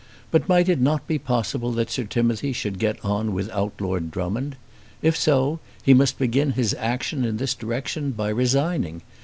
But might it not be possible that Sir Timothy should get on without Lord Drummond? If so he must begin his action in this direction by resigning.